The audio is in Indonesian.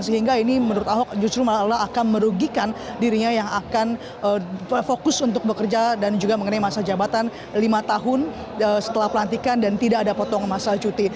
sehingga ini menurut ahok justru malah akan merugikan dirinya yang akan fokus untuk bekerja dan juga mengenai masa jabatan lima tahun setelah pelantikan dan tidak ada potongan masa cuti